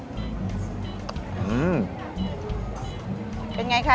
คนที่มาทานอย่างเงี้ยควรจะมาทานแบบคนเดียวนะครับ